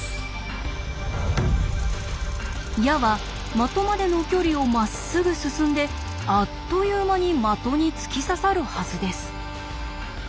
矢は的までの距離をまっすぐ進んであっという間に的に突き刺さるはずです。